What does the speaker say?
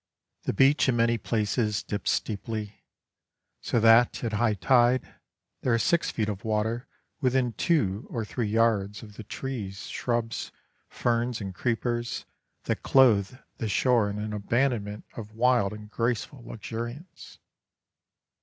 The beach in many places dips steeply, so that, at high tide, there are six feet of water within two or three yards of the trees, shrubs, ferns, and creepers that clothe the shore in an abandonment of wild and graceful luxuriance.